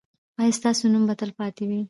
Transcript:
ایا ستاسو نوم به تلپاتې وي؟